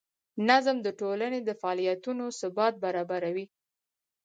نظم د ټولنې د فعالیتونو ثبات برابروي.